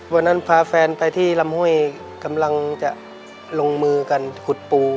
วันนั้นพาแฟนไปที่ลำห้วยกำลังจะลงมือกันขุดปู